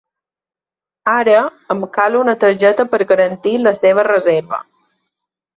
Ara em cal una targeta per garantir la seva reserva.